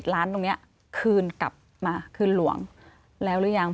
ล้านตรงนี้คืนกลับมาคืนหลวงแล้วหรือยัง